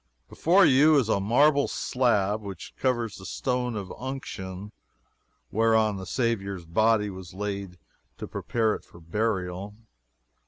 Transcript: Before you is a marble slab, which covers the Stone of Unction, whereon the Saviour's body was laid to prepare it for burial.